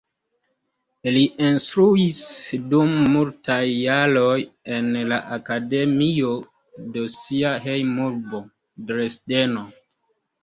Li instruis dum multaj jaroj en la akademio de sia hejmurbo, Dresdeno.